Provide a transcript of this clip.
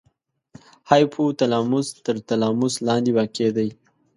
هایپو تلاموس تر تلاموس لاندې واقع دی.